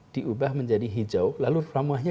diubah menjadi hijau lalu ramuahnya